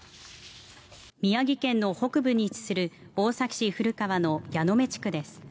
宮城県の北部に位置する大崎市古川の矢目地区です。